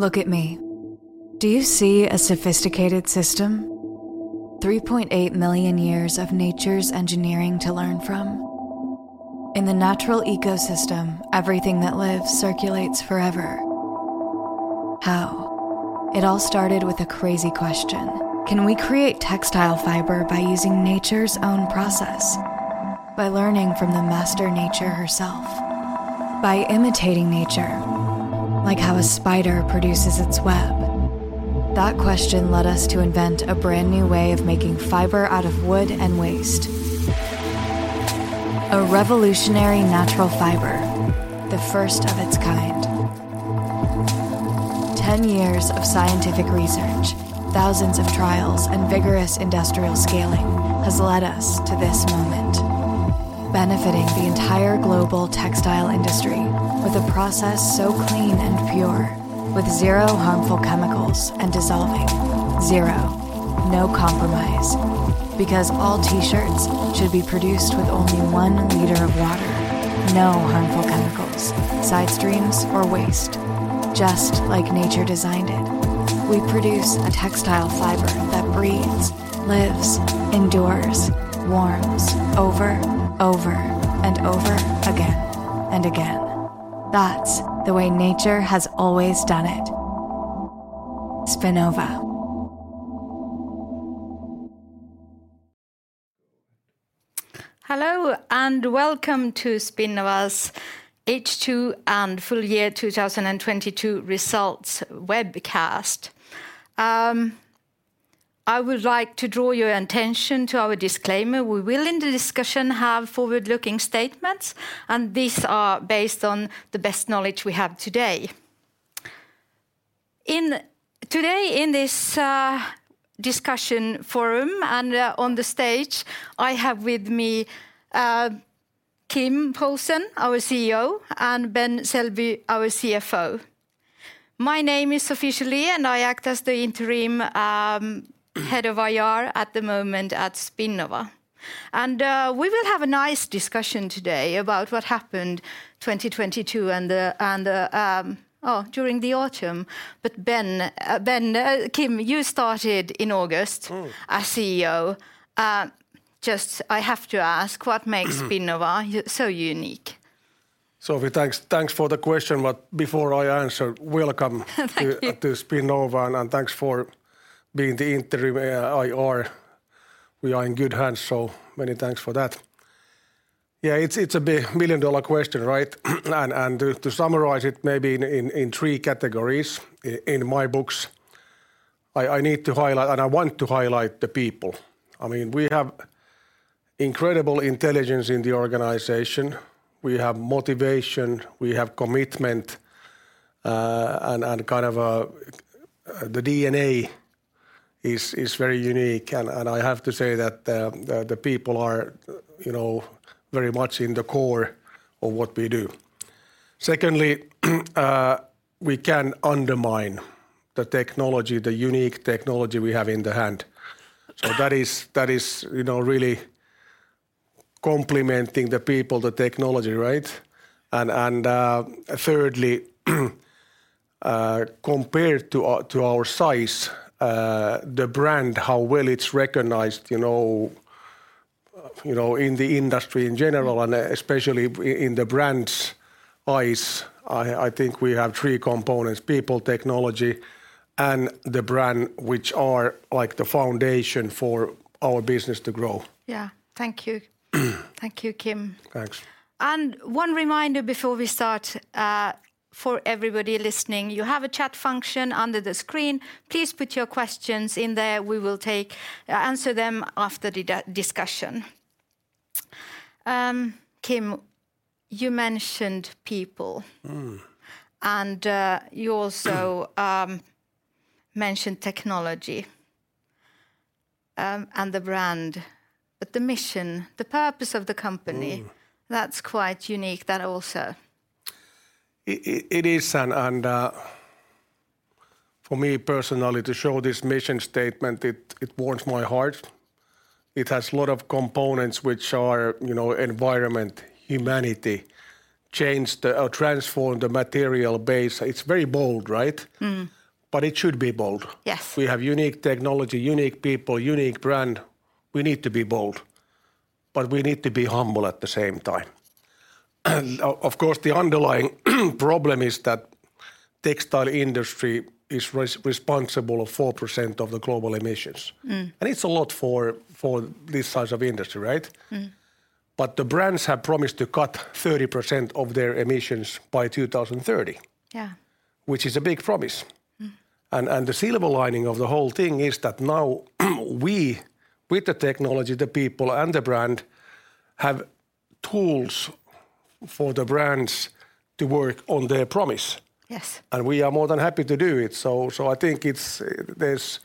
Look at me. Do you see a sophisticated system? 3.8 million years of nature's engineering to learn from. In the natural ecosystem, everything that lives circulates forever. How? It all started with a crazy question: Can we create textile fiber by using nature's own process, by learning from the master nature herself, by imitating nature, like how a spider produces its web? That question led us to invent a brand-new way of making fiber out of wood and waste. A revolutionary natural fiber, the first of its kind. 10 years of scientific research, thousands of trials, and vigorous industrial scaling has led us to this moment, benefitting the entire global textile industry with a process so clean and pure with zero harmful chemicals and dissolving. Zero, no compromise, because all T-shirts should be produced with only 1 liter of water, no harmful chemicals, side streams or waste, just like nature designed it. We produce a textile fiber that breathes, lives, endures, warms over and over again. That's the way nature has always done it. Spinnova. Hello, welcome to Spinnova's H2 and Full-year 2022 Results Webcast. I would like to draw your attention to our disclaimer. We will in the discussion have forward-looking statements, and these are based on the best knowledge we have today. Today in this discussion forum and on the stage, I have with me Kim Poulsen, our CEO, and Ben Selby, our CFO. My name is Sophie Ahlström, and I act as the interim head of IR at the moment at Spinnova. We will have a nice discussion today about what happened 2022 and the during the autumn. Ben, Kim, you started in August- Mm... as CEO. Just I have to ask, what makes Spinnova so unique? Sophie, thanks for the question. Before I answer, welcome. Thank you. ...to Spinnova and thanks for being the interim IR. We are in good hands, so many thanks for that. Yeah, it's a big million-dollar question, right? To summarize it maybe in three categories in my books, I need to highlight and I want to highlight the people. I mean, we have incredible intelligence in the organization. We have motivation, we have commitment, and kind of a the DNA is very unique, and I have to say that the people are, you know, very much in the core of what we do. Secondly, we can undermine the technology, the unique technology we have in the hand. Yeah. That is, you know, really complimenting the people, the technology, right? Thirdly, compared to our size, the brand, how well it's recognized, you know, in the industry in general and especially in the brand's eyes, I think we have three components, people, technology and the brand, which are like the foundation for our business to grow. Yeah. Thank you. Thank you, Kim. Thanks. One reminder before we start, for everybody listening, you have a chat function under the screen. Please put your questions in there. We will take, answer them after the discussion. Kim, you mentioned people. Mm. You also mentioned technology and the brand, but the mission, the purpose of the company... Mm... that's quite unique, that also. It is and, for me personally to show this mission statement, it warms my heart. It has a lot of components which are, you know, environment, humanity, change the, or transform the material base. It's very bold, right? Mm. It should be bold. Yes. We have unique technology, unique people, unique brand. We need to be bold, but we need to be humble at the same time. Of course, the underlying problem is that textile industry is responsible of 4% of the global emissions. Mm. It's a lot for this size of industry, right? Mm. The brands have promised to cut 30% of their emissions by 2030. Yeah. Which is a big promise. Mm. The silver lining of the whole thing is that now we, with the technology, the people and the brand, have tools for the brands to work on their promise. Yes. We are more than happy to do it. So I think it's, there's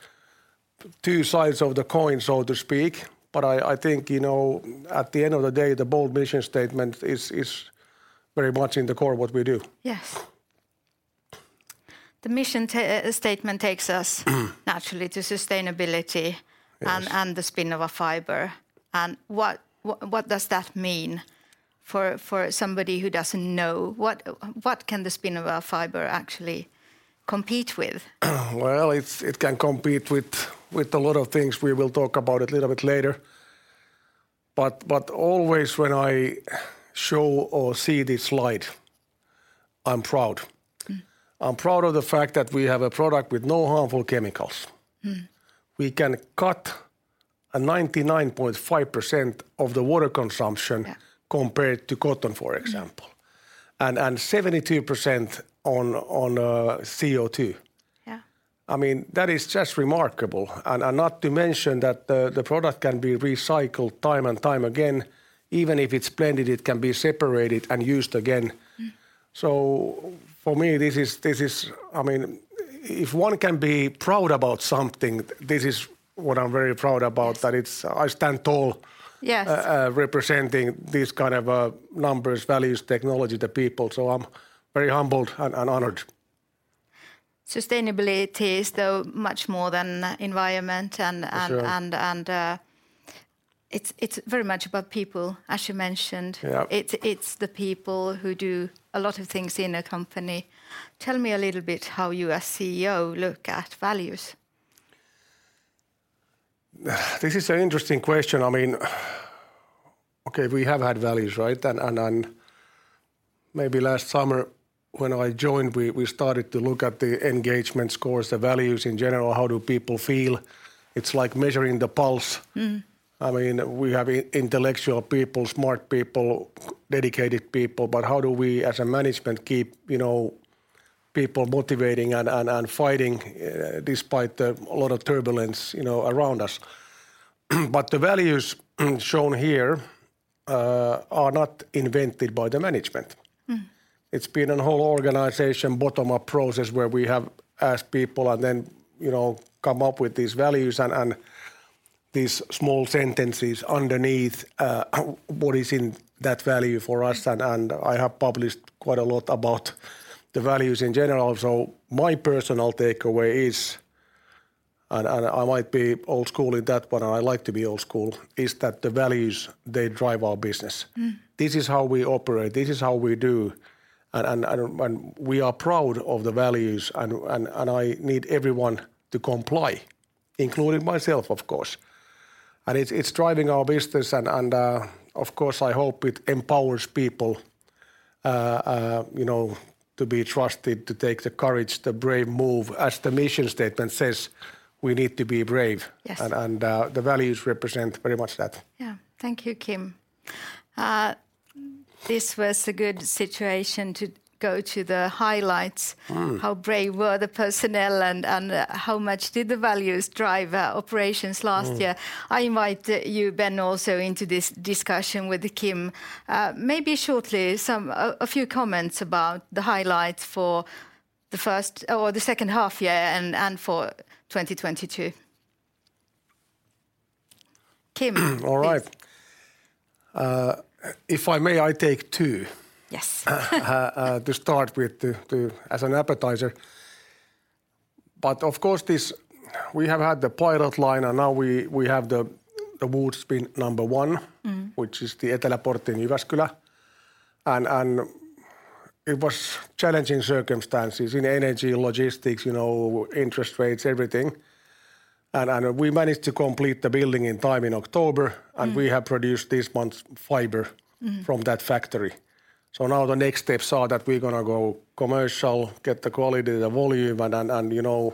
two sides of the coin, so to speak, but I think, you know, at the end of the day, the bold mission statement is very much in the core of what we do. Yes. The mission statement takes us. Mm... naturally to sustainability. Yes... The SPINNOVA fibre and what does that mean? For somebody who doesn't know, what can the SPINNOVA fibre actually compete with? Well, it can compete with a lot of things. We will talk about it little bit later. Always when I show or see this slide, I'm proud. Mm. I'm proud of the fact that we have a product with no harmful chemicals. Mm. We can cut a 99.5% of the water consumption- Yeah... compared to cotton, for example. Yeah. 72% on, CO2. Yeah. I mean, that is just remarkable. Not to mention that the product can be recycled time and time again. Even if it's blended, it can be separated and used again. Mm. for me, this is... I mean, if one can be proud about something, this is what I'm very proud about, that it's... I stand tall. Yes... representing these kind of numbers, values, technology, the people, so I'm very humbled and honored. Sustainability is, though, much more than, environment. For sure. It's very much about people, as you mentioned. Yeah. It's the people who do a lot of things in a company. Tell me a little bit how you as CEO look at values? This is an interesting question. I mean, okay, we have had values, right? Maybe last summer when I joined, we started to look at the engagement scores, the values in general, how do people feel. It's like measuring the pulse. Mm. I mean, we have intellectual people, smart people, dedicated people, but how do we, as a management, keep, you know, people motivating and fighting, despite the lot of turbulence, you know, around us? The values shown here are not invented by the management. Mm. It's been a whole organization, bottom-up process where we have asked people and then, you know, come up with these values and these small sentences underneath, what is in that value for us. Mm. I have published quite a lot about the values in general. My personal takeaway is, I might be old-school in that, but I like to be old-school, is that the values, they drive our business. Mm. This is how we operate. This is how we do. We are proud of the values, and I need everyone to comply, including myself, of course. It's driving our business and, of course, I hope it empowers people, you know, to be trusted, to take the courage, the brave move. As the mission statement says, we need to be brave. Yes. The values represent very much that. Yeah. Thank you, Kim. This was a good situation to go to the highlights. Mm. How brave were the personnel and how much did the values drive operations last year? Mm. I invite you, Ben, also into this discussion with Kim. maybe shortly, some, a few comments about the highlights for the first, or the second half year and for 2022. Kim, please. All right. If I may, I take two- Yes.... to start with, as an appetizer. Of course, this, we have had the pilot line, and now we have the Woodspin number one- Mm... which is the Eteläportti Jyväskylä. It was challenging circumstances in energy, logistics, you know, interest rates, everything. We managed to complete the building in time in October. Mm. We have produced this month's fibre. Mm from that factory. Now the next steps are that we're gonna go commercial, get the quality, the volume, and, and, you know,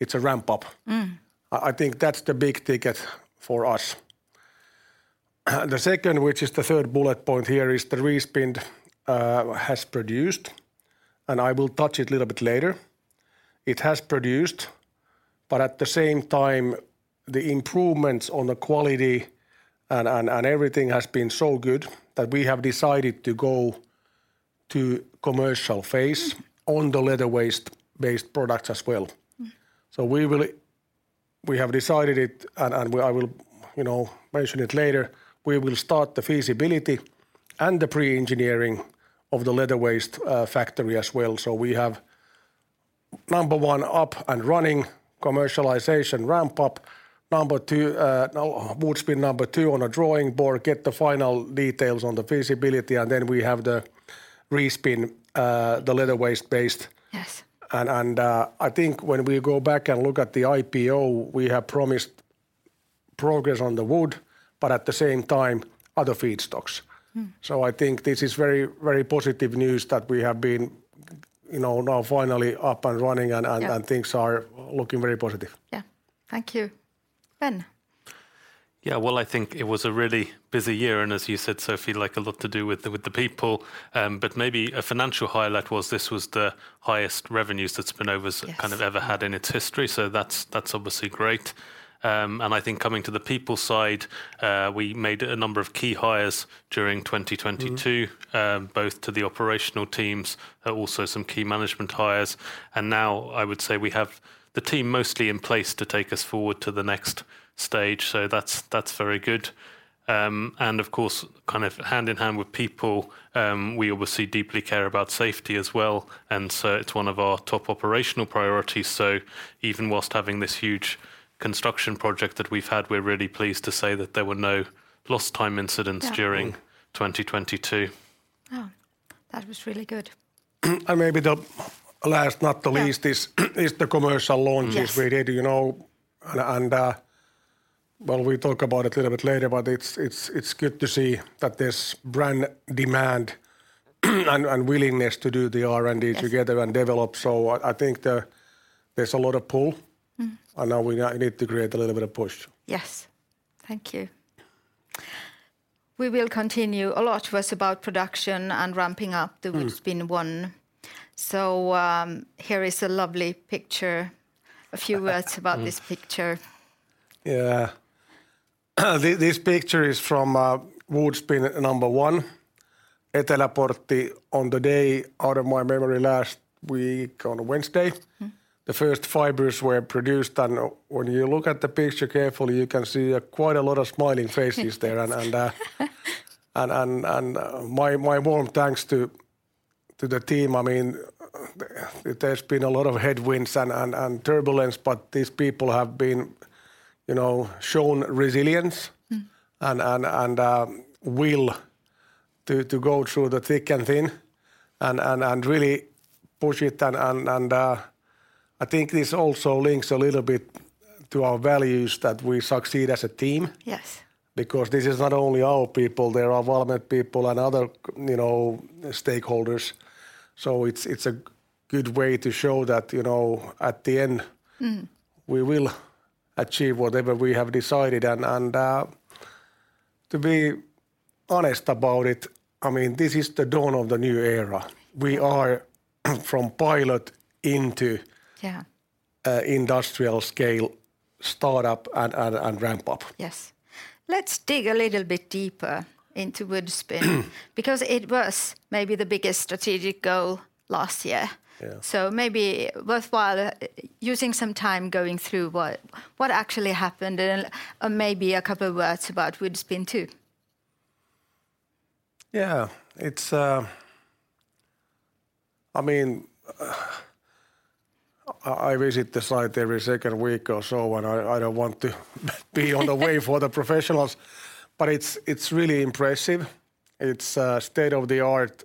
it's a ramp-up. Mm. I think that's the big ticket for us. The second, which is the third bullet point here, is the Respin has produced, and I will touch it little bit later. It has produced, but at the same time, the improvements on the quality and everything has been so good that we have decided to go to commercial phase. Mm on the leather waste-based products as well. Mm. We have decided it, and we, I will, you know, mention it later. We will start the feasibility and the pre-engineering of the leather waste factory as well, so we have number 1 up and running, commercialization ramp-up. Number two, now Woodspin number two on a drawing board, get the final details on the feasibility. We have the Respin, the leather waste-based. Yes. I think when we go back and look at the IPO, we have promised progress on the wood, but at the same time, other feedstocks. Mm. I think this is very positive news that we have been, you know, now finally up and running. Yeah Things are looking very positive. Yeah. Thank you. Ben? Yeah. Well, I think it was a really busy year, and as you said, Sophie, like, a lot to do with the people. Maybe a financial highlight was this was the highest revenues that. Yes... kind of ever had in its history, so that's obviously great. I think coming to the people side, we made a number of key hires during 2022. Mm... both to the operational teams, also some key management hires. Now I would say we have the team mostly in place to take us forward to the next stage, so that's very good. Of course, kind of hand-in-hand with people, we obviously deeply care about safety as well, so it's one of our top operational priorities. Even whilst having this huge construction project that we've had, we're really pleased to say that there were no lost time incidents. Yeah. during 2022. Oh, that was really good. Maybe the last, not the least. Yeah Is the commercial launches. Yes... we did, you know. Well, we talk about it a little bit later, but it's good to see that there's brand demand and willingness to do the R&D together. Yes and develop. I think, there's a lot of pull. Mm. Now we now need to create a little bit of push. Yes. Thank you. We will continue. A lot was about production and ramping up the Woodspin 1. Mm Here is a lovely picture. A few words- Mm... about this picture. Yeah. This picture is from Woodspin 1, Eteläportti, on the day, out of my memory, last week on Wednesday. Mm. The first fibers were produced, and when you look at the picture carefully, you can see, quite a lot of smiling faces there. My warm thanks to the team. I mean, there's been a lot of headwinds and turbulence, but these people have been, you know, shown resilience. Mm... and, will to go through the thick and thin and really push it. I think this also links a little bit to our values that we succeed as a team. Yes. This is not only our people. There are Valmet people and other you know, stakeholders. It's a good way to show that, you know, at the end. Mm We will achieve whatever we have decided. To be honest about it, I mean, this is the dawn of the new era. We are from pilot. Yeah... a industrial scale startup and ramp up. Yes. Let's dig a little bit deeper into Woodspin. Mm. It was maybe the biggest strategic goal last year. Yeah. Maybe worthwhile, using some time going through what actually happened and maybe a couple words about Woodspin 2. I mean, I visit the site every second week or so, and I don't want to be in the way for the professionals, but it's really impressive. It's a state-of-the-art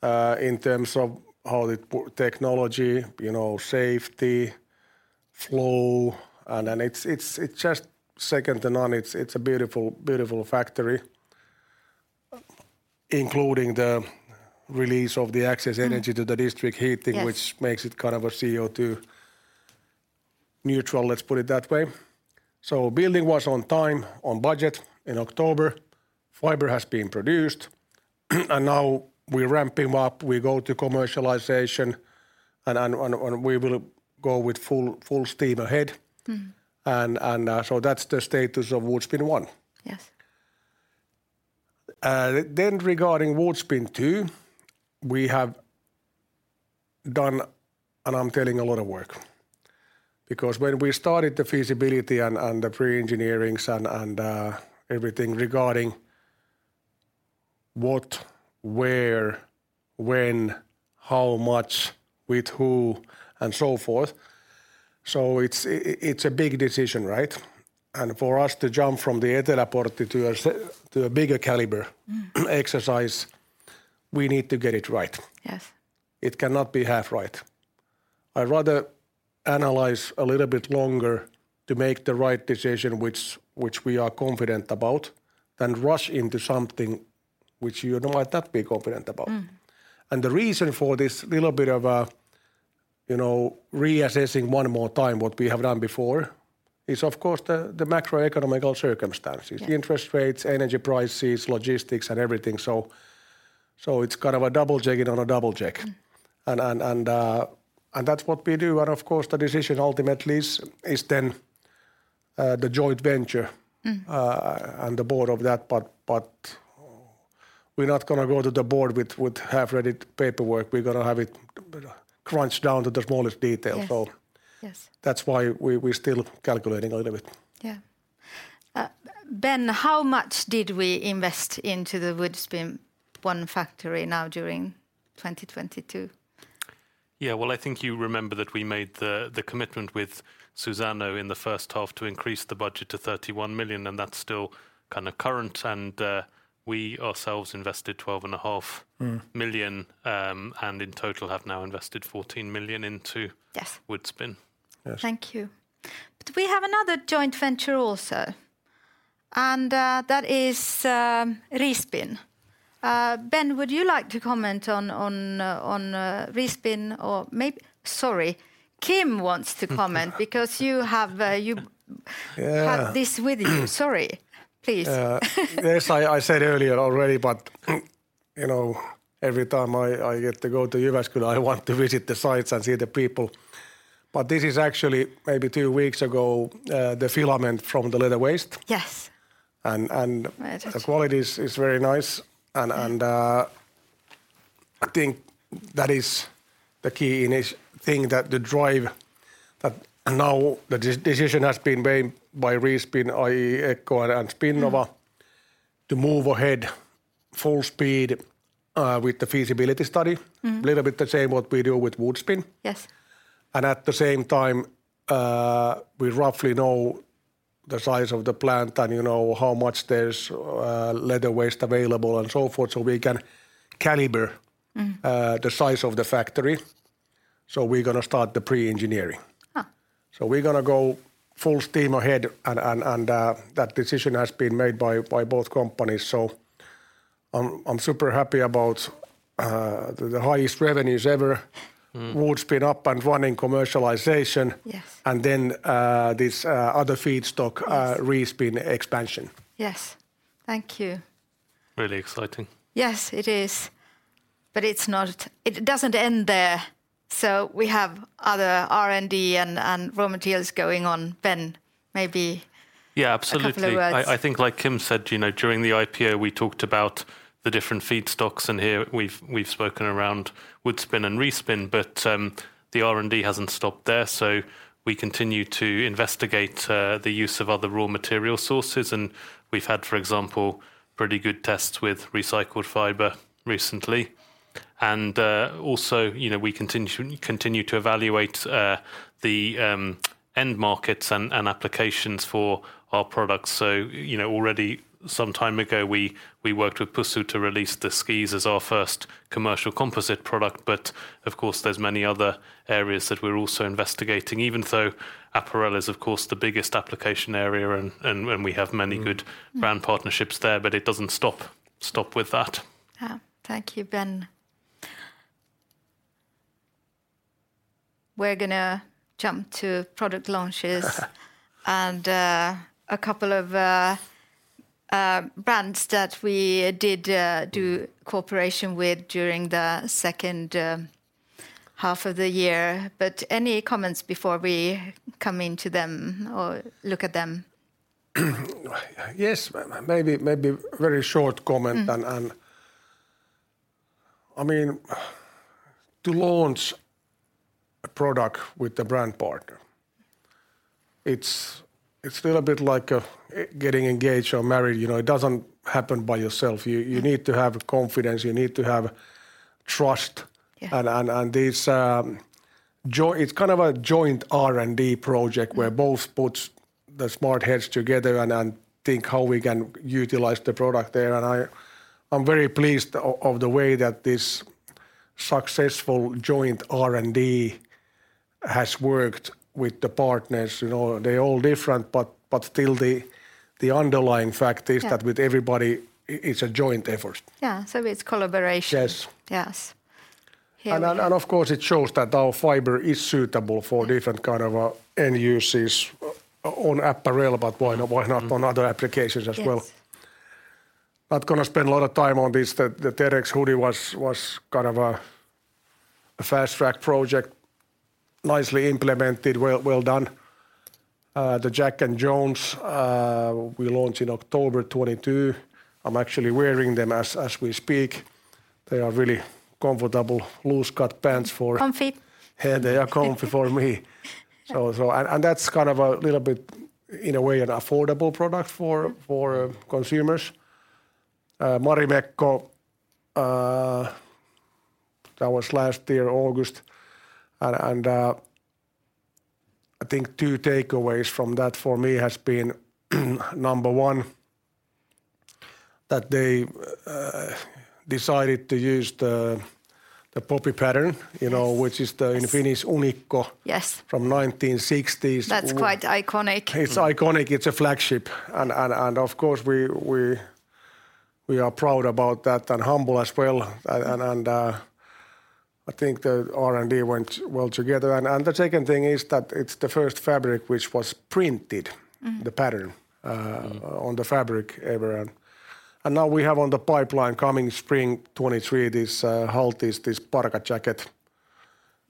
facility. Mm-hmm. In terms of how the technology, you know, safety, flow, and then it's just second to none. It's a beautiful factory, including the release of the excess energy to the district heating. Yes Which makes it kind of a CO2 neutral, let's put it that way. Building was on time, on budget in October. Fibre has been produced, and now we're ramping up. We go to commercialization, and we will go with full steam ahead. Mm. That's the status of Woodspin 1. Yes. Then regarding Woodspin 2, we have done, and I'm telling a lot of work, because when we started the feasibility and the pre-engineerings and everything regarding what, where, when, how much, with who, and so forth, so it's a big decision, right? For us to jump from the Eteläportti to a to a bigger caliber- Mm... exercise, we need to get it right. Yes. It cannot be half right. I'd rather analyze a little bit longer to make the right decision which we are confident about than rush into something which you're not that big confident about. Mm. The reason for this little bit of a, you know, reassessing one more time what we have done before is of course the macroeconomic circumstances. Yeah. Interest rates, energy prices, logistics, and everything. It's kind of a double-checking on a double-check. Mm. That's what we do. Of course the decision ultimately is then, the joint venture. Mm... and the board of that, but we're not gonna go to the board with half-read paperwork. We're gonna have it crunched down to the smallest detail. Yes. So- Yes That's why we're still calculating a little bit. Yeah. Ben, how much did we invest into the Woodspin 1 factory now during 2022? Yeah. Well, I think you remember that we made the commitment with Suzano in the first half to increase the budget to 31 million, and that's still kind of current. We ourselves invested 12.5 million. Mm in total have now invested 14 million into- Yes... Woodspin. Yes. Thank you. We have another joint venture also, and that is Respin. Ben, would you like to comment on Respin or Sorry, Kim wants to comment because you have. Yeah... have this with you. Sorry. Please. Yeah. Yes, I said earlier already, you know, every time I get to go to Jyväskylä, I want to visit the sites and see the people. This is actually maybe two weeks ago, the filament from the leather waste. Yes. And, and- Right. The quality is very nice. I think that is the key in this thing, that the drive that now the decision has been made by Respin, i.e., ECCO and Spinnova. Mm... to move ahead full speed, with the feasibility study. Mm. Little bit the same what we do with Woodspin. Yes. At the same time, we roughly know the size of the plant and, you know, how much there's leather waste available and so forth, so we can. Mm... the size of the factory. We're gonna start the pre-engineering. Ah. We're gonna go full steam ahead, and that decision has been made by both companies. I'm super happy about the highest revenues ever. Mm. Woodspin up and running commercialization. Yes. This, other feedstock. Yes... Respin expansion. Yes. Thank you. Really exciting. Yes, it is, but it's not. It doesn't end there. We have other R&D and raw materials going on. Ben, maybe... Yeah, absolutely.... a couple of words. I think like Kim said, you know, during the IPO we talked about the different feedstocks, and here we've spoken around Woodspin and Respin. The R&D hasn't stopped there, so we continue to investigate the use of other raw material sources. We've had, for example, pretty good tests with recycled fiber recently. Also, you know, we continue to evaluate the end markets and applications for our products. You know, already some time ago we worked with Pusu to release the skis as our first commercial composite product. Of course there's many other areas that we're also investigating, even though apparel is of course the biggest application area and we have many good. Mm... brand partnerships there, but it doesn't stop with that. Yeah. Thank you, Ben. We're gonna jump to product launches and a couple of brands that we did do cooperation with during the second half of the year. Any comments before we come into them or look at them? Yes. Maybe very short comment. Mm. I mean, to launch a product with a brand partner, it's still a bit like getting engaged or married. You know, it doesn't happen by yourself. You need to have confidence. You need to have trust. Yeah. This it's kind of a joint R&D project. Mm... where both puts the smart heads together and think how we can utilize the product there. I'm very pleased of the way that this successful joint R&D has worked with the partners. You know, they're all different, but still the underlying fact is. Yeah... that with everybody it's a joint effort. Yeah, it's collaboration. Yes. Yes. Here. Of course it shows that our fibre is suitable for different kind of end users on apparel, but why not... Mm... on other applications as well? Yes. Not gonna spend a lot of time on this. The Terrex hoodie was kind of a fast track project. Nicely implemented. Well done. The Jack & Jones, we launched in October 2022. I'm actually wearing them as we speak. They are really comfortable loose cut pants for. Comfi. Yeah, they are comfy for me. That's kind of a little bit in a way an affordable product for consumers. Marimekko, that was last year August. I think two takeaways from that for me has been number one, that they decided to use the poppy pattern. Yes... you know, which is the in Finnish Unikko- Yes... from 1960s. That's quite iconic. It's iconic. It's a flagship. Of course we are proud about that and humble as well. I think the R&D went well together. The second thing is that it's the first fabric which was printed-. Mm... the pattern on the fabric ever. Now we have on the pipeline coming Spring 2023 this, Halti, this parka jacket.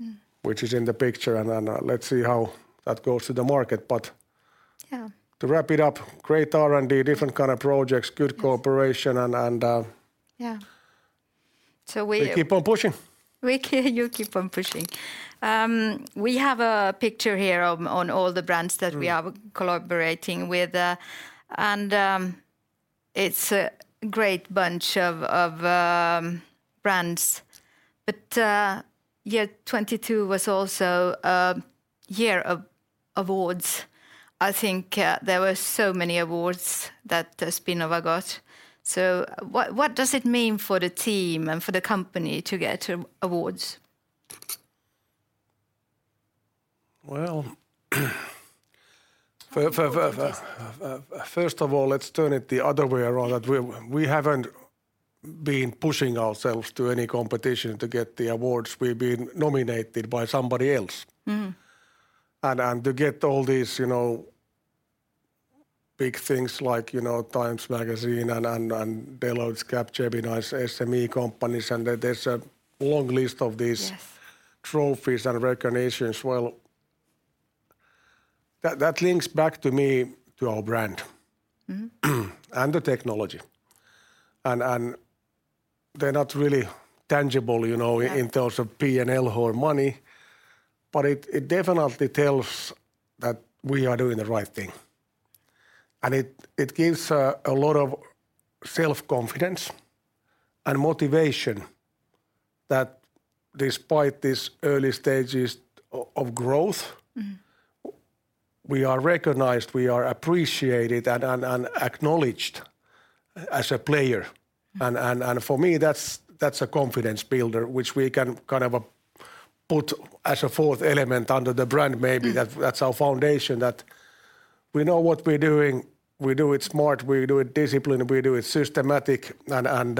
Mm which is in the picture. Let's see how that goes to the market. Yeah... to wrap it up, great R&D, different kind of projects. Yes... good cooperation, and. Yeah. We keep on pushing. You keep on pushing. We have a picture here of, on all the brands that we are. Mm... collaborating with. It's a great bunch of brands. Yeah, 2022 was also a year of awards I think. There were so many awards that Spinnova got. What does it mean for the team and for the company to get awards? Well, first of all let's turn it the other way around, that we haven't been pushing ourselves to any competition to get the awards. We've been nominated by somebody else. Mm-hmm. To get all these, you know, big things like, you know, TIME Magazine, and Deloitte's Capgemini's SME companies, and then there's a long list of these. Yes... trophies and recognitions. That links back to me to our brand. Mm-hmm... and the technology. They're not really tangible, you know. Yeah... in terms of P&L or money, but it definitely tells that we are doing the right thing. It gives a lot of self-confidence and motivation that despite these early stages of growth... Mm-hmm we are recognized, we are appreciated and acknowledged as a player. Mm-hmm. For me, that's a confidence builder which we can kind of put as a fourth element under the brand maybe. Mm-hmm. That's our foundation that we know what we're doing, we do it smart, we do it disciplined, we do it systematic, and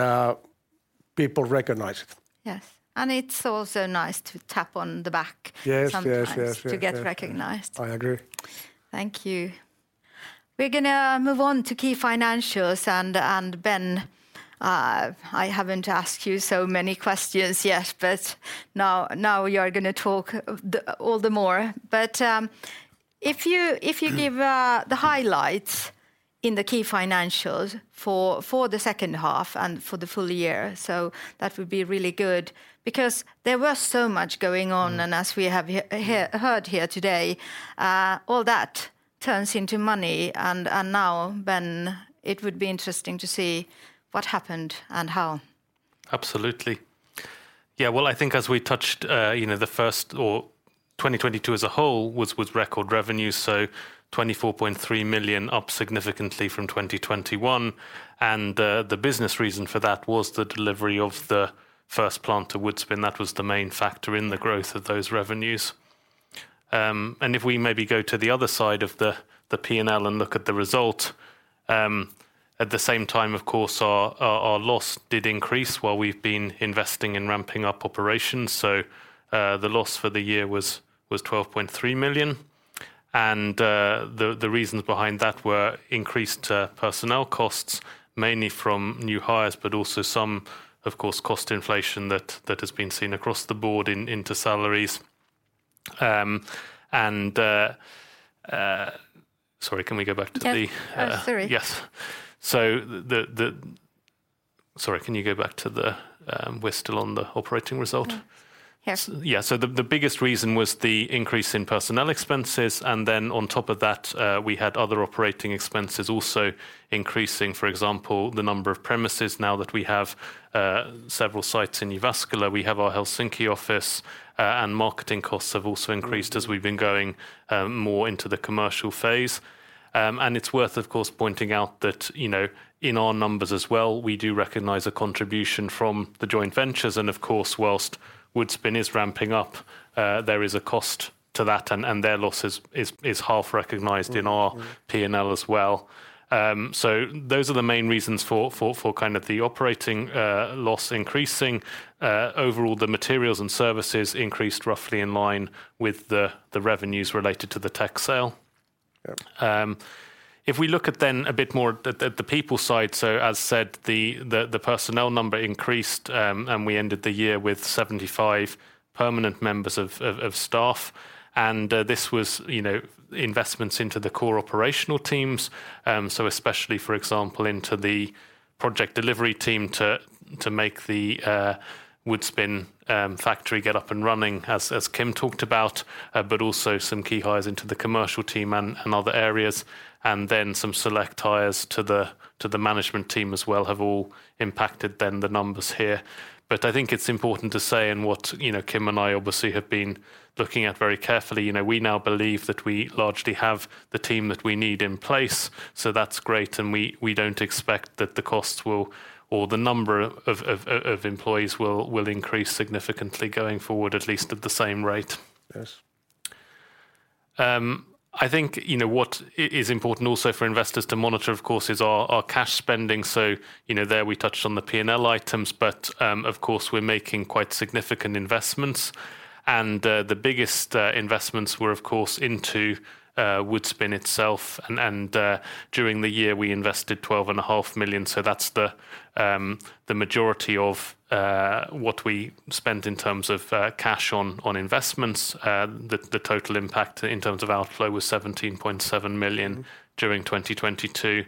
people recognize it. Yes. It's also nice to tap on the back- Yes. Yes.... sometimes to get recognized. I agree. Thank you. We're gonna move on to key financials. Ben, I haven't asked you so many questions yet, but now you're gonna talk all the more. If you give the highlights in the key financials for the second half and for the full-year, that would be really good. There was so much going on. Mm... as we have heard here today, all that turns into money. Now, Ben, it would be interesting to see what happened and how? Absolutely. Yeah, well, I think as we touched, you know, the first or 2022 as a whole was record revenue, so 24.3 million up significantly from 2021. The business reason for that was the delivery of the first plant to Woodspin. That was the main factor in the growth of those revenues. If we maybe go to the other side of the P&L and look at the result, at the same time, of course, our loss did increase while we've been investing in ramping up operations. The loss for the year was 12.3 million. The reasons behind that were increased personnel costs, mainly from new hires, but also some, of course, cost inflation that has been seen across the board in, into salaries. Sorry, can we go back to the. Yeah. Oh, sorry Yes. The... Sorry, can you go back to the... We're still on the operating result? Yeah. Yeah, the biggest reason was the increase in personnel expenses. On top of that, we had other operating expenses also increasing. For example, the number of premises now that we have several sites in Jyväskylä. We have our Helsinki office. Marketing costs have also increased. Mm... as we've been going, more into the commercial phase. It's worth of course pointing out that, you know, in our numbers as well, we do recognize a contribution from the joint ventures. Of course, whilst Woodspin is ramping up, there is a cost to that and their loss is half recognized in our P&L as well. Mm. Mm. Those are the main reasons for kind of the operating loss increasing. Overall, the materials and services increased roughly in line with the revenues related to the tech sale. Yeah. If we look at then a bit more at the people side, so as said, the, the personnel number increased, and we ended the year with 75 permanent members of staff. This was, you know, investments into the core operational teams, so especially, for example, into the project delivery team to make the Woodspin factory get up and running as Kim talked about, but also some key hires into the commercial team and other areas, and then some select hires to the, to the management team as well have all impacted then the numbers here. I think it's important to say, and what, you know, Kim and I obviously have been looking at very carefully, you know, we now believe that we largely have the team that we need in place, so that's great, and we don't expect that the costs will or the number of employees will increase significantly going forward at least at the same rate. Yes. I think, you know, what is important also for investors to monitor, of course, is our cash spending, so, you know, there we touched on the P&L items, but, of course, we're making quite significant investments. The biggest investments were of course into Woodspin itself, and during the year we invested 12 and a half million, so that's the majority of what we spent in terms of cash on investments. The total impact in terms of outflow was 17.7 million during 2022.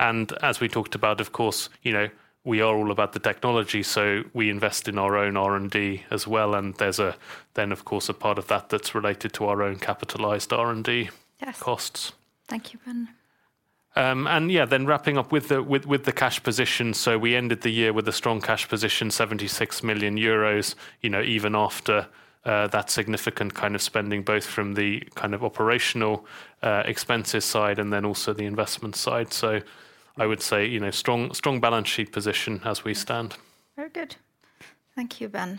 As we talked about, of course, you know, we are all about the technology, so we invest in our own R&D as well, and there's a then of course a part of that that's related to our own capitalized R&D... Yes... costs. Thank you, Ben. Yeah, then wrapping up with the cash position, so we ended the year with a strong cash position, 76 million euros, you know, even after that significant kind of spending both from the kind of operational expenses side and then also the investment side. I would say, you know, strong balance sheet position as we stand. Very good. Thank you, Ben.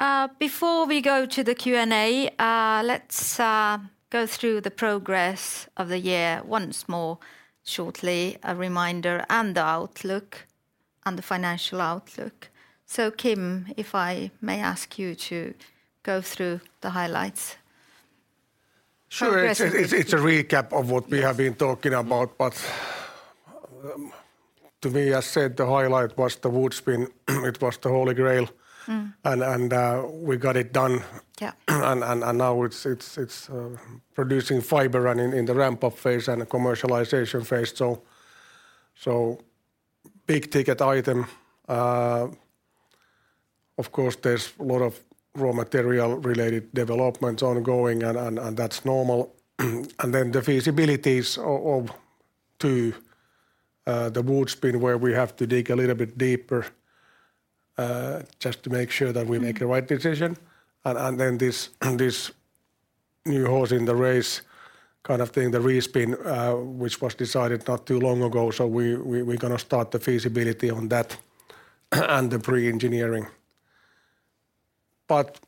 Mm. Before we go to the Q&A, let's go through the progress of the year once more shortly, a reminder and the outlook and the financial outlook. Kim, if I may ask you to go through the highlights. Sure. It's a recap of what we have been talking about. To me, I said the highlight was the Woodspin, it was the holy grail. Mm. We got it done. Yeah. Now it's producing fiber in the ramp-up phase and the commercialization phase. Big ticket item. Of course, there's a lot of raw material related developments ongoing and that's normal. The feasibilities of the Woodspin where we have to dig a little bit deeper just to make sure that we make the right decision. Then this new horse in the race kind of thing, the Respin, which was decided not too long ago, we're gonna start the feasibility on that and the pre-engineering.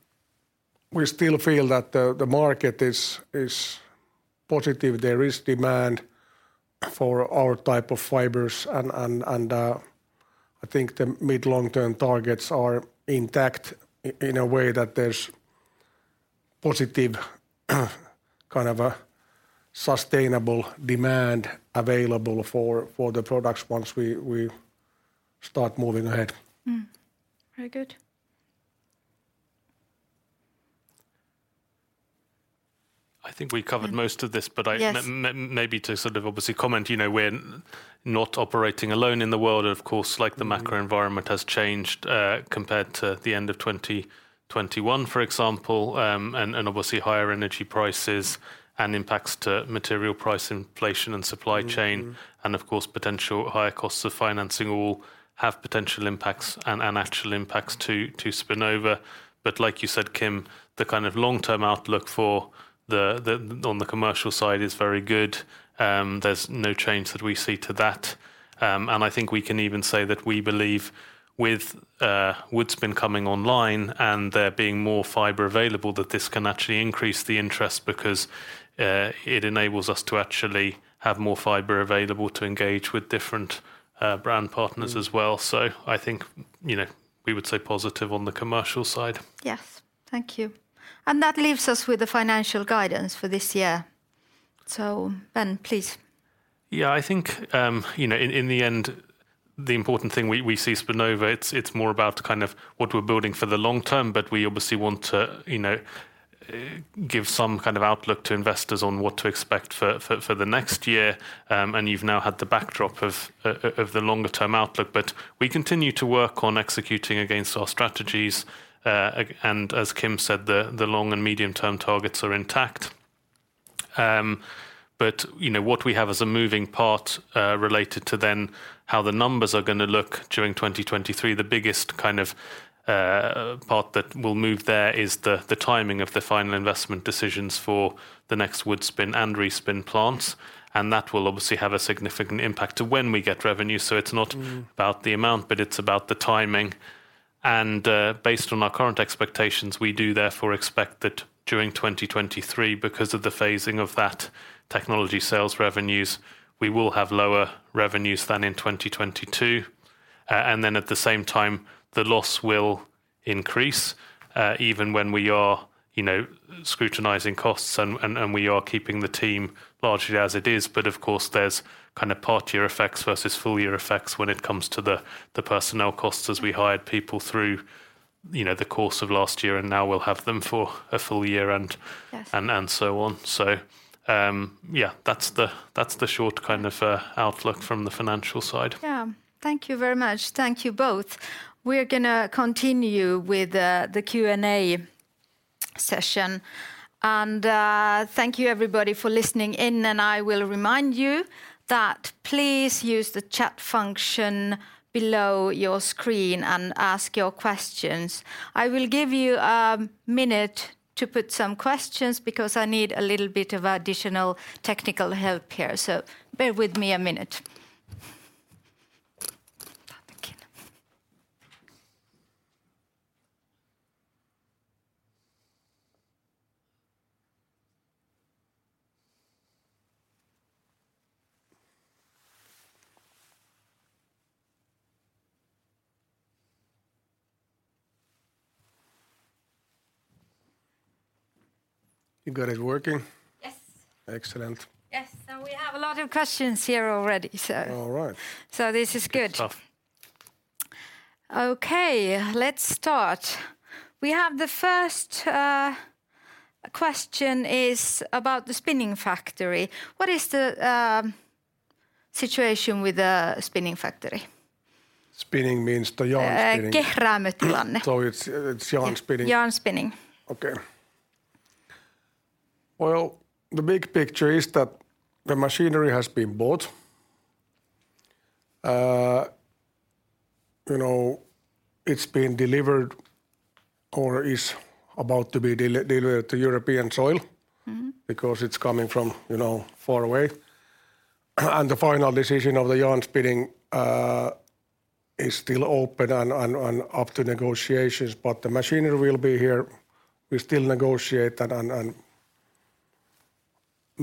We still feel that the market is positive. There is demand for our type of fibers and, I think the mid-long-term targets are intact in a way that there's positive, kind of a sustainable demand available for the products once we start moving ahead. Very good. I think we covered most of this. Yes... but I, maybe to sort of obviously comment, you know, we're not operating alone in the world. Of course, like the macro environment has changed, compared to the end of 2021, for example, and obviously higher energy prices and impacts to material price inflation and supply chain. Mm-hmm. Of course, potential higher costs of financing will have potential impacts and actual impacts to Spinnova. Like you said, Kim, the kind of long-term outlook for the on the commercial side is very good. There's no change that we see to that. I think we can even say that we believe with Woodspin coming online and there being more fiber available, that this can actually increase the interest because it enables us to actually have more fiber available to engage with different brand partners as well. Mm. I think, you know, we would say positive on the commercial side. Yes. Thank you. That leaves us with the financial guidance for this year. Ben, please. I think, you know, in the end, the important thing we see Spinnova, it's more about kind of what we're building for the long term, but we obviously want to, you know, give some kind of outlook to investors on what to expect for the next year, and you've now had the backdrop of the longer term outlook. We continue to work on executing against our strategies. As Kim said, the long and medium term targets are intact. But, you know, what we have as a moving part related to then how the numbers are going to look during 2023, the biggest kind of part that will move there is the timing of the final investment decisions for the next Woodspin and Respin plants, and that will obviously have a significant impact to when we get revenue. So it's not- Mm... about the amount, but it's about the timing. Based on our current expectations, we do therefore expect that during 2023, because of the phasing of that technology sales revenues, we will have lower revenues than in 2022. At the same time, the loss will increase, even when we are, you know, scrutinizing costs and we are keeping the team largely as it is. Of course, there's kind of part year effects versus full-year effects when it comes to the personnel costs as we hired people through, you know, the course of last year, and now we'll have them for a full-year and- Yes... and so on. Yeah, that's the short kind of outlook from the financial side. Yeah. Thank you very much. Thank you both. We're gonna continue with the Q&A session. Thank you everybody for listening in, and I will remind you that please use the chat function below your screen and ask your questions. I will give you a minute to put some questions because I need a little bit of additional technical help here. Bear with me a minute. You got it working? Yes. Excellent.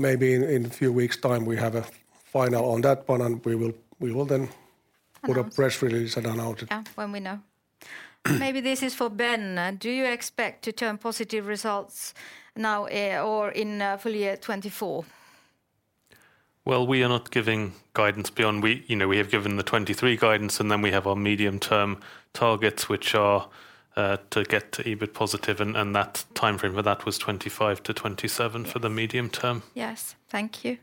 Yes. We have a lot of questions here already. All right. This is good. Good stuff. Let's start. We have the first question is about the spinning factory. What is the situation with the spinning factory? Spinning means the yarn spinning. When we know, maybe this is for Ben. Do you expect to turn positive results now, or in full-year 2024? Well, we are not giving guidance beyond we, you know, we have given the 2023 guidance, and then we have our medium-term targets, which are to get to EBIT positive, and that timeframe for that was 2025-2027 for the medium term. Yes. Thank you.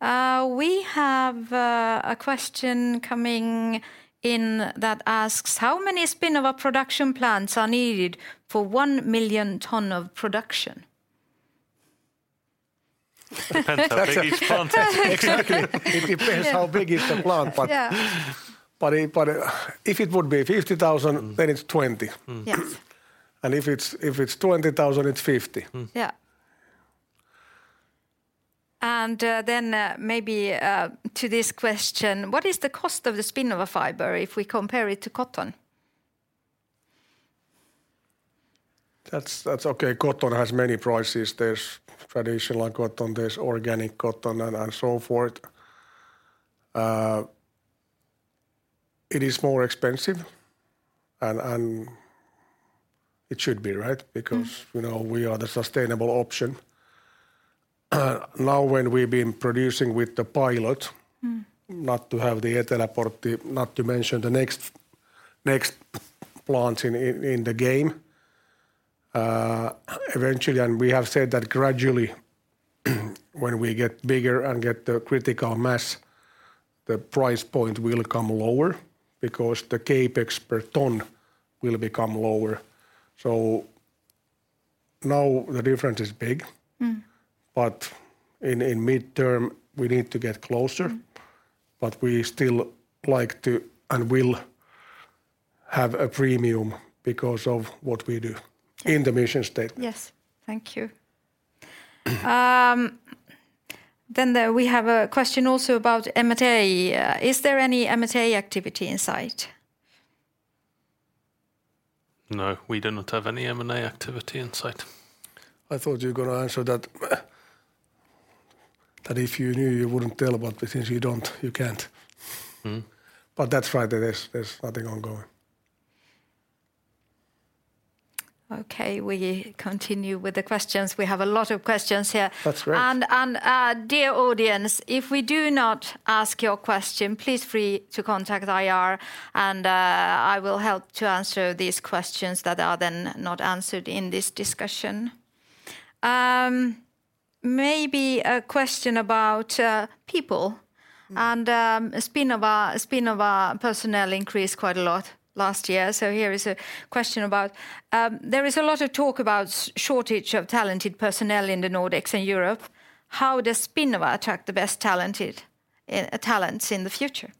We have a question coming in that asks, "How many Spinnova production plants are needed for 1 million ton of production? Depends how big is the plant. Yeah. Exactly. It depends how big is the plant. Yeah. If it would be 50,000, then it's 20. Yes. If it's 20,000, it's 50. Mm. Yeah. Maybe, to this question, what is the cost of the SPINNOVA fibre if we compare it to cotton? That's okay. Cotton has many prices. There's traditional cotton, there's organic cotton, and so forth. It is more expensive, and it should be, right? Mm. You know, we are the sustainable option. When we've been producing with the. Mm... not to have the Eteläportti, not to mention the next plant in the game, eventually. We have said that gradually, when we get bigger and get the critical mass, the price point will come lower because the CapEx per ton will become lower. Now the difference is big. Mm. In mid-term, we need to get closer. Mm. We still like to, and will have a premium because of what we do in the mission statement. Yes. Thank you. We have a question also about M&A. Is there any M&A activity in sight? No, we do not have any M&A activity in sight. I thought you were gonna answer that if you knew, you wouldn't tell, but since you don't, you can't. Mm. That's right. There's nothing ongoing. Okay. We continue with the questions. We have a lot of questions here. That's great. Dear audience, if we do not ask your question, please free to contact IR, I will help to answer these questions that are then not answered in this discussion. Maybe a question about people. Mm. Spinnova personnel increased quite a lot last year, so here is a question about there is a lot of talk about shortage of talented personnel in the Nordics and Europe. How does Spinnova attract the best talented talents in the future?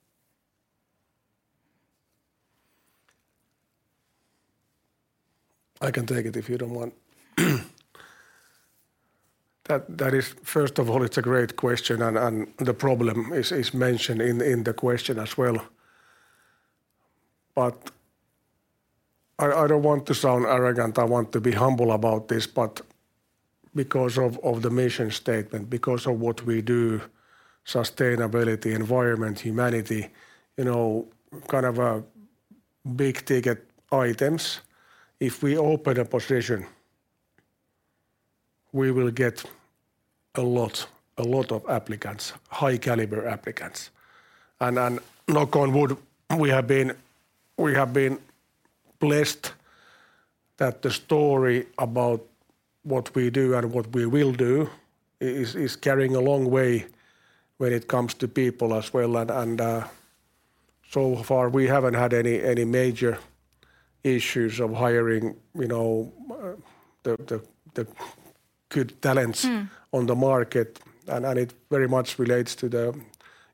I can take it if you don't want. That is, first of all, it's a great question, and the problem is mentioned in the question as well. I don't want to sound arrogant. I want to be humble about this, because of the mission statement, because of what we do, sustainability, environment, humanity, you know, kind of big-ticket items, if we open a position, we will get a lot of applicants, high-caliber applicants. Knock on wood, we have been blessed that the story about what we do and what we will do is carrying a long way when it comes to people as well. So far we haven't had any major issues of hiring, you know, the good talents. Mm On the market. It very much relates to the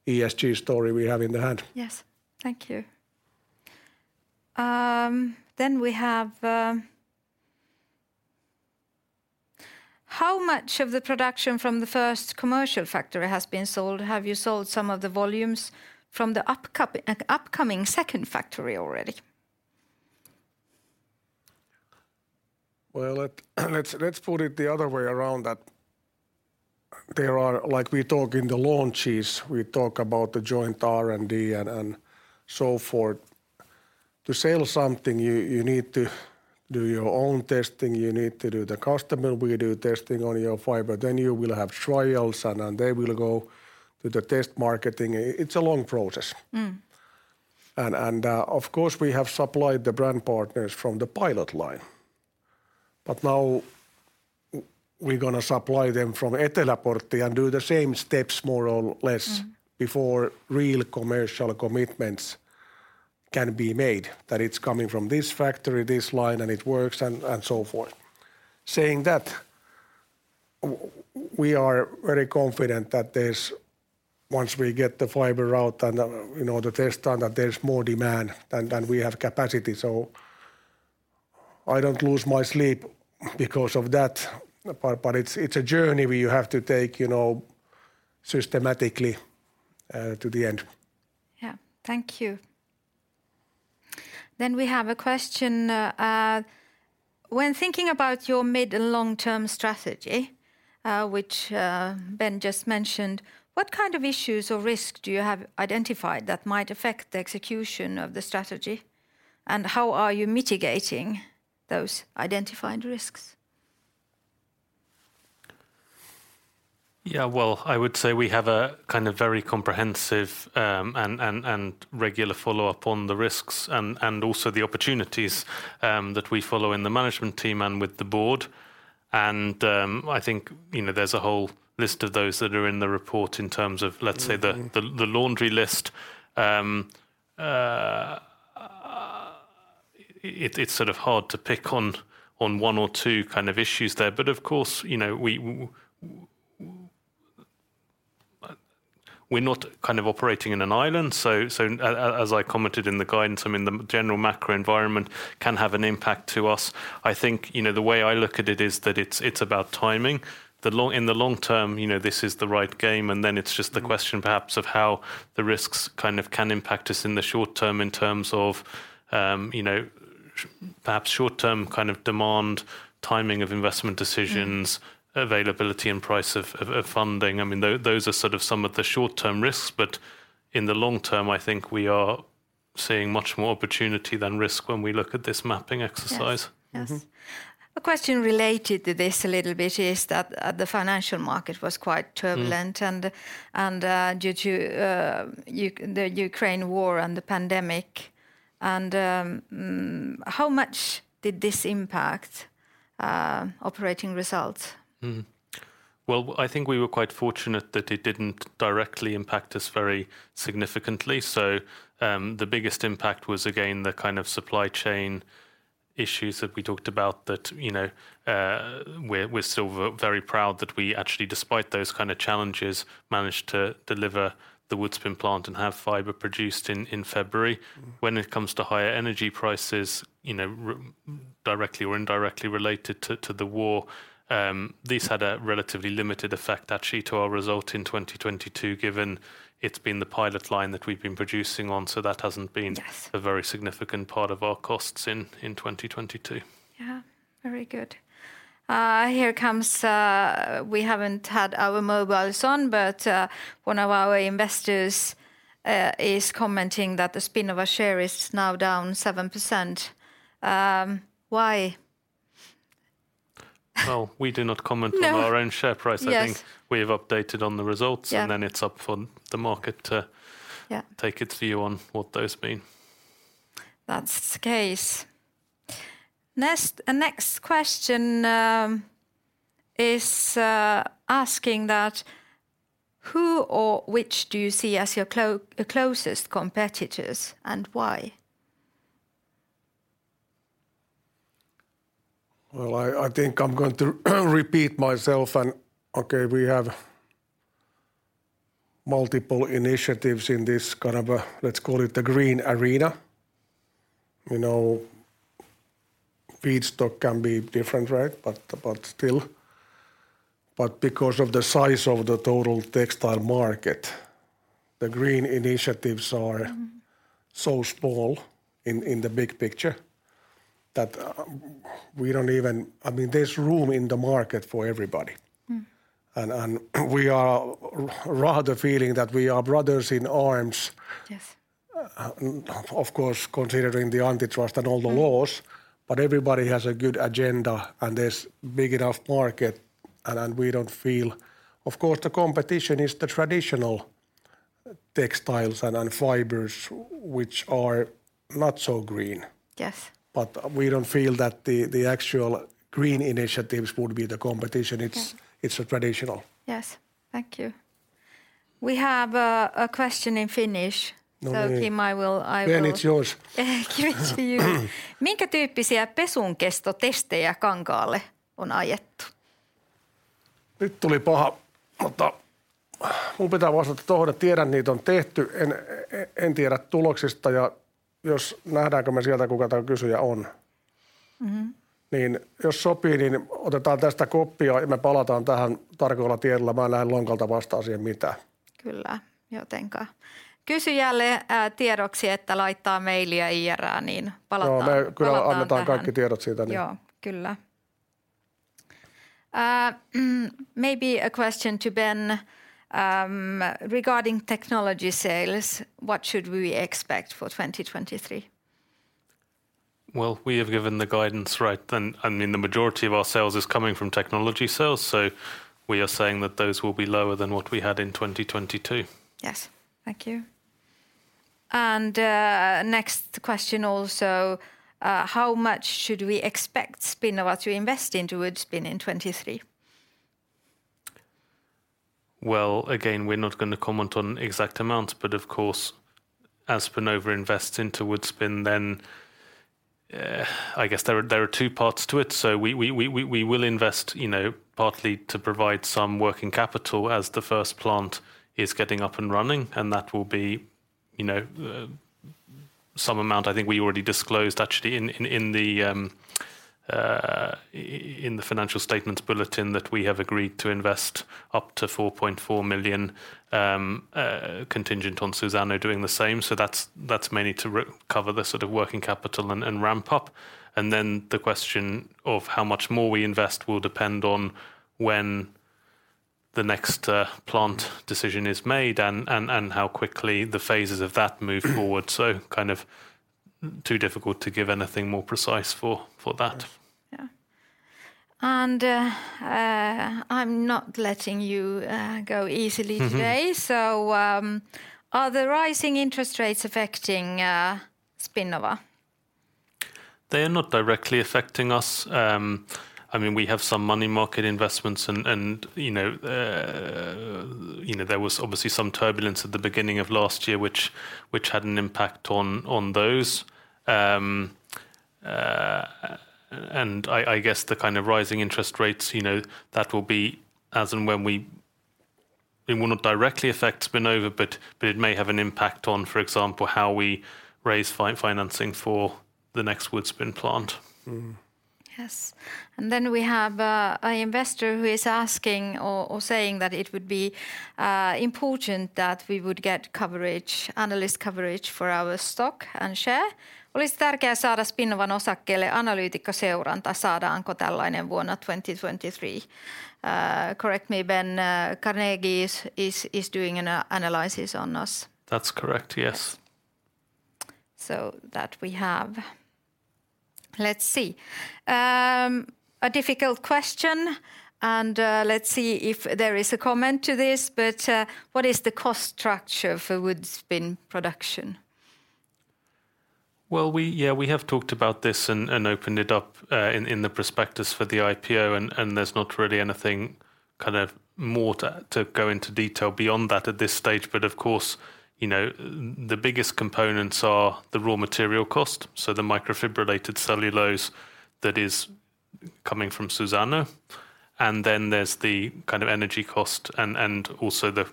ESG story we have in the hand. Yes. Thank you. We have, how much of the production from the first commercial factory has been sold? Have you sold some of the volumes from the upcoming second factory already? Well, let's put it the other way around, that there are, like we talk in the launches, we talk about the joint R&D and so forth. To sell something, you need to do your own testing, you need to do the customer will do testing on your fiber, then you will have trials, and they will go to the test marketing. It's a long process. Mm. Of course, we have supplied the brand partners from the pilot line. Now we're gonna supply them from Eteläportti and do the same steps more or less. Mm... before real commercial commitments can be made, that it's coming from this factory, this line, and it works, and so forth. Saying that, we are very confident that there's, once we get the fibre out and, you know, the test done, that there's more demand than we have capacity. I don't lose my sleep because of that, but it's a journey where you have to take, you know, systematically to the end. Yeah. Thank you. We have a question. When thinking about your mid- and long-term strategy, which Ben just mentioned, what kind of issues or risk do you have identified that might affect the execution of the strategy? How are you mitigating those identified risks? Yeah. Well, I would say we have a kind of very comprehensive, and regular follow-up on the risks and also the opportunities, that we follow in the management team and with the board. I think, you know, there's a whole list of those that are in the report in terms of. Mm-hmm The laundry list. It's sort of hard to pick on one or two kind of issues there. Of course, you know, we're not kind of operating in an island. As I commented in the guidance, I mean, the general macro environment can have an impact to us. I think, you know, the way I look at it is that it's about timing. In the long term, you know, this is the right game, it's just the question perhaps of how the risks kind of can impact us in the short term in terms of, you know, perhaps short term kind of demand, timing of investment decisions... Mm ... availability and price of funding. I mean, those are sort of some of the short-term risks. In the long term, I think we are seeing much more opportunity than risk when we look at this mapping exercise. Yes. Mm-hmm. A question related to this a little bit is that, the financial market was quite turbulent. Mm... due to the Ukraine war and the pandemic, how much did this impact operating results? Well, I think we were quite fortunate that it didn't directly impact us very significantly. The biggest impact was again the kind of supply chain issues that we talked about that, you know, we're still very proud that we actually despite those kind of challenges managed to deliver the Woodspin plant and have fiber produced in February. When it comes to higher energy prices, you know, directly or indirectly related to the war, this had a relatively limited effect actually to our result in 2022 given it's been the pilot line that we've been producing on. That hasn't been. Yes... a very significant part of our costs in 2022. Yeah. Very good. Here comes, we haven't had our mobiles on, but, one of our investors, is commenting that the Spinnova share is now down 7%. Why? Well, we do not comment. No.... our own share price. Yes. I think we have updated on the results. Yeah It's up for the market. Yeah take its view on what those mean. That's the case. Next question is asking that, "Who or which do you see as your closest competitors, and why? Well, I think I'm going to repeat myself. Okay, we have multiple initiatives in this kind of a, let's call it the green arena. You know, feedstock can be different, right? Still. Because of the size of the total textile market, the green initiatives are- Mm-hmm... so small in the big picture that I mean, there's room in the market for everybody. Mm. We are rather feeling that we are brothers in arms. Yes. Of course, considering the antitrust and all the laws. Mm. Everybody has a good agenda, and there's big enough market. We don't feel... Of course, the competition is the traditional textiles and fibers which are not so green. Yes. We don't feel that the actual green initiatives would be the competition. Yeah. It's the traditional. Yes. Thank you. We have a question in Finnish. No way. Tim, I will. Ben, it's yours.... give it to you. Maybe a question to Ben, regarding technology sales. What should we expect for 2023? Well, we have given the guidance, right? I mean, the majority of our sales is coming from technology sales, we are saying that those will be lower than what we had in 2022. Yes. Thank you. Next question also, how much should we expect Spinnova to invest into Woodspin in 2023? Again, we're not gonna comment on exact amounts. Of course, as Spinnova invests into Woodspin, then, I guess there are two parts to it. We will invest, you know, partly to provide some working capital as the first plant is getting up and running, and that will be, you know, some amount I think we already disclosed actually in the financial statements bulletin that we have agreed to invest up to 4.4 million, contingent on Suzano doing the same. That's mainly to recover the sort of working capital and ramp-up. The question of how much more we invest will depend on the next plant decision is made and how quickly the phases of that move forward. Kind of too difficult to give anything more precise for that. Yeah. I'm not letting you go easily today. Mm-hmm. Are the rising interest rates affecting Spinnova? They are not directly affecting us. I mean, we have some money market investments and, you know, there was obviously some turbulence at the beginning of last year which had an impact on those. I guess the kind of rising interest rates, you know, that will be as and when we. It will not directly affect Spinnova, but it may have an impact on, for example, how we raise financing for the next Woodspin plant. Yes. We have a investor who is asking or saying that, "It would be important that we would get coverage, analyst coverage for our stock and share." 2023. Correct me, Ben, Carnegie is doing analysis on us? That's correct, yes. That we have. Let's see. A difficult question, and, let's see if there is a comment to this, but, what is the cost structure for Woodspin production? Well, we, yeah, we have talked about this and opened it up in the prospectus for the IPO and there's not really anything kind of more to go into detail beyond that at this stage. Of course, you know, the biggest components are the raw material cost, so the microfibrillated cellulose that is coming from Suzano, and then there's the kind of energy cost and also the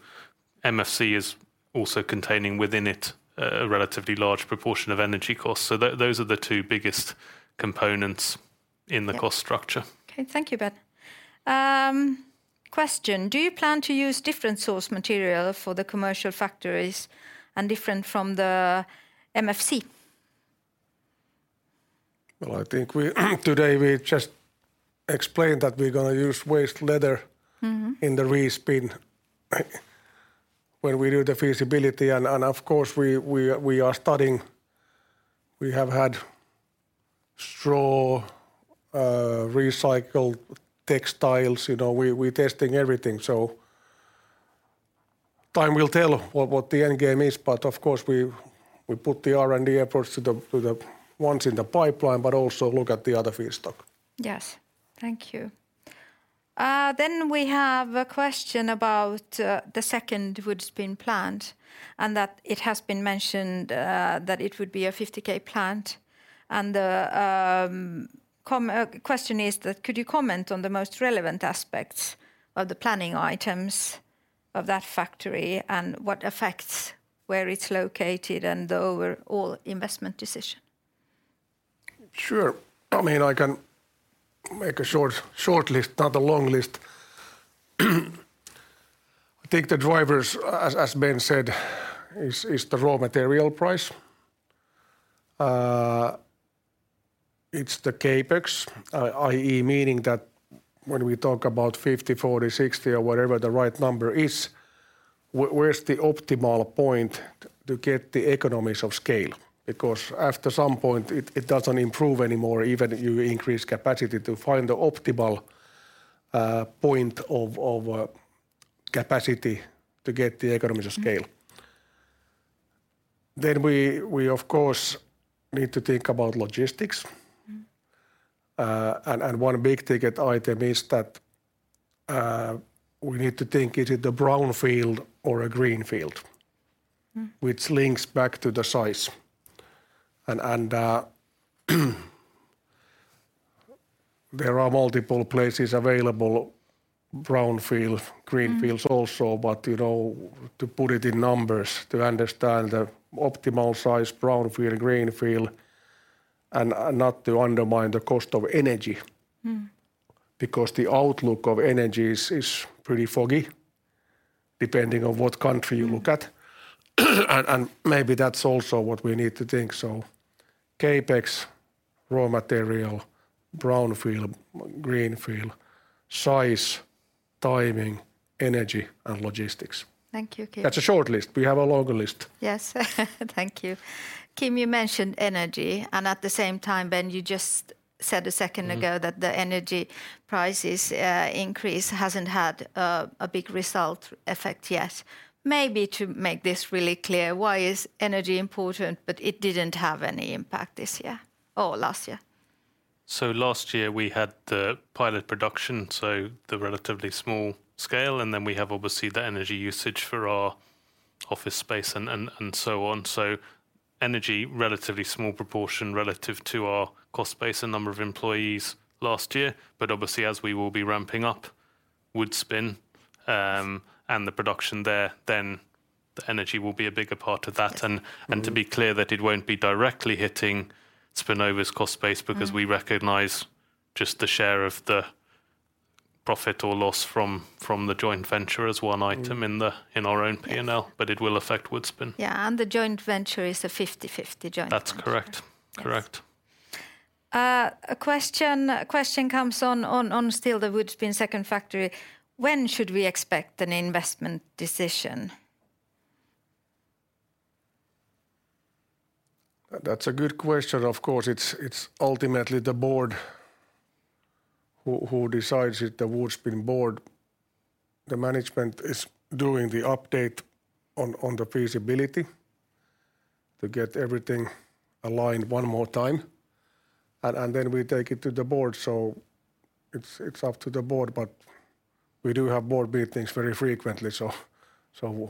MFC is also containing within it a relatively large proportion of energy costs. Those are the two biggest components in the cost structure. Okay, thank you, Ben. Question, do you plan to use different source material for the commercial factories, and different from the MFC? Well, I think we, today we just explained that we're gonna use waste leather... Mm-hmm In the Respin, when we do the feasibility. Of course we are studying. We have had straw, recycled textiles. You know, we're testing everything. Time will tell what the end game is, of course we put the R&D efforts to the ones in the pipeline, but also look at the other feedstock. Yes. Thank you. We have a question about the second Woodspin plant, and that it has been mentioned that it would be a 50K plant. The question is that could you comment on the most relevant aspects of the planning items of that factory, and what effects where it's located and the overall investment decision? Sure. I mean, I can make a short list, not a long list. I think the drivers, as Ben said, is the raw material price. It's the CapEx, i.e. meaning that when we talk about 50, 40, 60, or whatever the right number is, where's the optimal point to get the economies of scale? Because after some point it doesn't improve anymore, even if you increase capacity to find the optimal point of capacity to get the economies of scale. Mm-hmm. We of course need to think about logistics. Mm-hmm. One big ticket item is that we need to think is it a brownfield or a greenfield. Mm Which links back to the size. There are multiple places available, brownfield- Mm... greenfields also, but, you know, to put it in numbers to understand the optimal size brownfield, greenfield, and not to undermine the cost of energy. Mm. The outlook of energy is pretty foggy depending on what country you look at. Maybe that's also what we need to think. CapEx, raw material, brownfield, greenfield, size, timing, energy, and logistics. Thank you, Kim. That's a short list. We have a longer list. Yes. Thank you. Kim, you mentioned energy, and at the same time, Ben, you just said a second ago. Mm... the energy prices, increase hasn't had a big result effect yet. Maybe to make this really clear, why is energy important but it didn't have any impact this year or last year? Last year we had the pilot production, so the relatively small scale, and then we have obviously the energy usage for our office space and so on. energy, relatively small proportion relative to our cost base and number of employees last year. obviously as we will be ramping up Woodspin, and the production there, then the energy will be a bigger part of that. Mm. To be clear that it won't be directly hitting Spinnova's cost base. Mm... because we recognize just the share of the profit or loss from the joint venture as one item in our own P&L. Yes. It will affect Woodspin. The joint venture is a 50/50 joint venture. That's correct. Yes. Correct. A question comes on still the Woodspin second factory. When should we expect an investment decision? That's a good question. Of course, it's ultimately the board who decides it, the Woodspin board. The management is doing the update on the feasibility to get everything aligned one more time. Then we take it to the board, so it's up to the board, but we do have board meetings very frequently.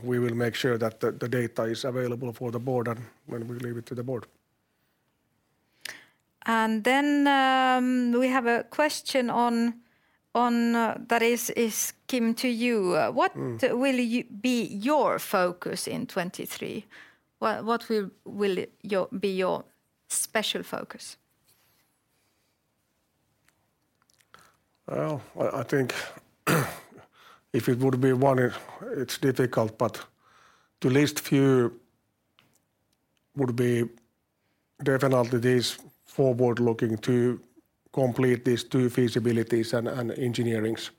We will make sure that the data is available for the board and when we leave it to the board. We have a question on that is Kim to you. Mm. What will be your focus in 2023? What will your, be your special focus? Well, I think if it would be one, it's difficult, but to list few would be definitely this forward looking to complete these two feasibilities and engineerings,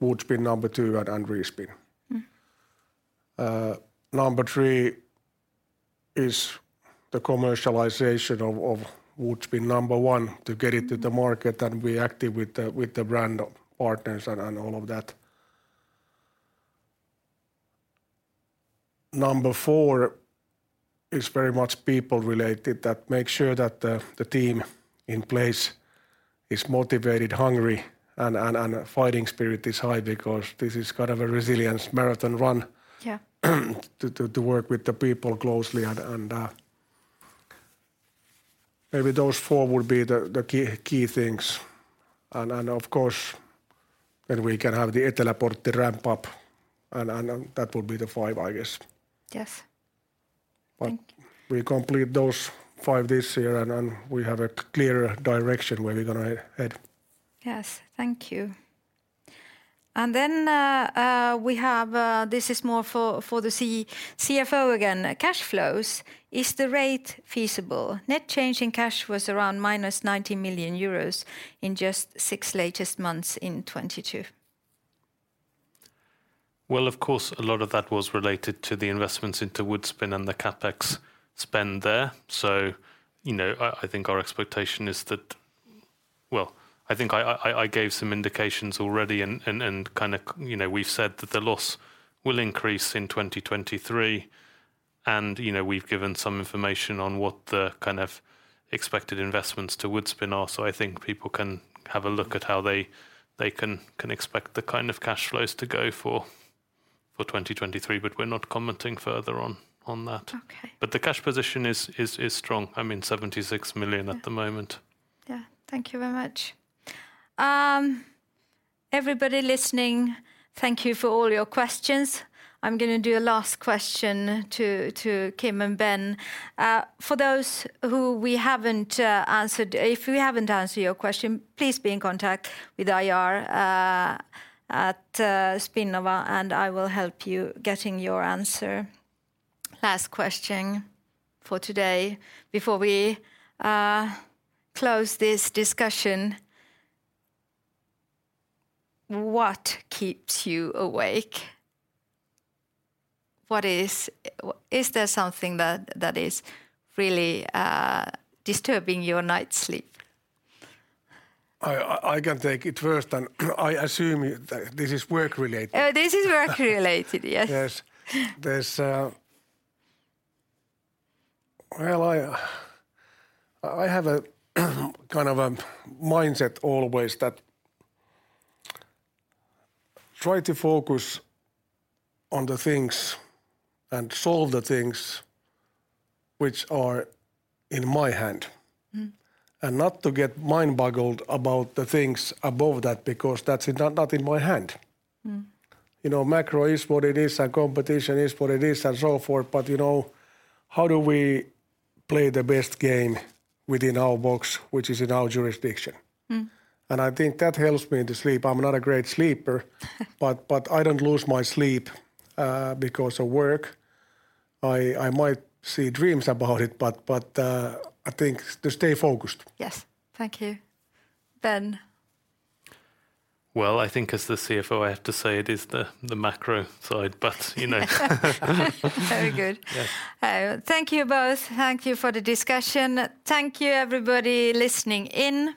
Woodspin number two and Respin. Mm. Three is the commercialization of Woodspin 1 to get it to the market and be active with the brand partners and all of that. Four is very much people related that make sure that the team in place is motivated, hungry, and fighting spirit is high because this is kind of a resilience marathon run- Yeah... to work with the people closely and, maybe those four would be the key things. Of course, then we can have the Eteläportti ramp up, and that would be the five, I guess. Yes. Thank you. We complete those 5 this year, and then we have a clear direction where we're gonna head. Yes. Thank you. We have, this is more for the CFO again. Cash flows, is the rate feasible? Net change in cash was around -90 million euros in just six latest months in 2022. Of course, a lot of that was related to the investments into Woodspin and the CapEx spend there. You know, I think our expectation is that. Well, I think I gave some indications already and kind of, you know, we've said that the loss will increase in 2023. You know, we've given some information on what the kind of expected investments to Woodspin are. I think people can have a look at how they can expect the kind of cash flows to go for 2023. We're not commenting further on that. Okay. The cash position is strong. I mean, 76 million at the moment. Yeah. Yeah. Thank you very much. Everybody listening, thank you for all your questions. I'm gonna do a last question to Kim and Ben. For those who we haven't answered, if we haven't answered your question, please be in contact with IR at Spinnova, and I will help you getting your answer. Last question for today before we close this discussion, what keeps you awake? What is? Is there something that is really disturbing your night sleep? I can take it first, and I assume that this is work related. This is work related, yes. Yes. I have a kind of a mindset always that try to focus on the things and solve the things which are in my hand. Mm. Not to get mind boggled about the things above that because that's not in my hand. Mm. You know, macro is what it is, and competition is what it is, and so forth, but, you know, how do we play the best game within our box, which is in our jurisdiction? Mm. I think that helps me to sleep. I'm not a great sleeper. But I don't lose my sleep because of work. I might see dreams about it, but I think to stay focused. Yes. Thank you. Ben? Well, I think as the CFO, I have to say it is the macro side, but, you know. Very good. Yeah. Thank you both. Thank you for the discussion. Thank you everybody listening in.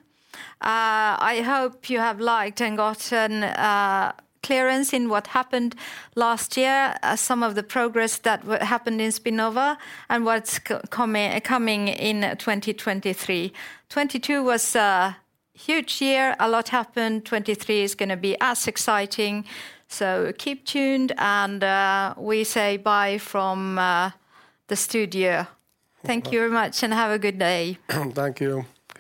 I hope you have liked and gotten clearance in what happened last year, some of the progress that happened in Spinnova, and what's coming in 2023. 2022 was a huge year. A lot happened. 2023 is gonna be as exciting. Keep tuned, and we say bye from the studio. Bye. Thank you very much, and have a good day. Thank you.